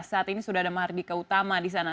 saat ini sudah ada mahardika utama di sana